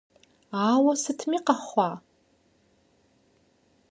Ауэ сытми къэхъуа!